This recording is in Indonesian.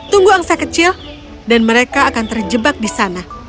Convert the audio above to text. tunggu angsa kecil dan mereka akan terjebak di sana